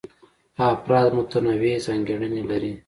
افراد متنوع ځانګړنې لري.